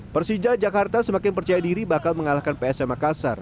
persija jakarta semakin percaya diri bakal mengalahkan psm makassar